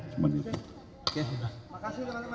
dalam pembahasan tentang pilkada tadi apakah sudah menguangin saham